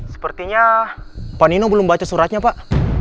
sepertinya pak nino belum baca suratnya pak